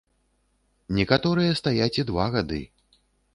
Некаторыя стаяць і два гады.